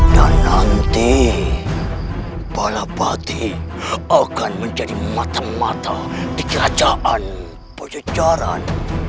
dan nanti balapati akan menjadi mata mata di kerajaan pejajaran